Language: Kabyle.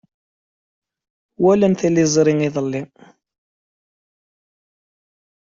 Walant tiliẓri iḍelli.